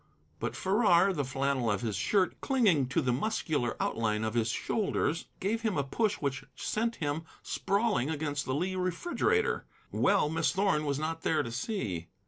But Farrar, the flannel of his shirt clinging to the muscular outline of his shoulders, gave him a push which sent him sprawling against the lee refrigerator. Well Miss Thorn was not there to see.